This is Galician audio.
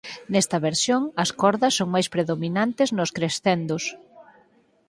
Nesta versión as cordas son máis predominantes nos "crescendos".